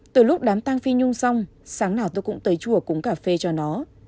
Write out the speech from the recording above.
từ lúc đám tang phi nhung xong sáng nào tôi cũng tới chùa cúng cà phê cho nó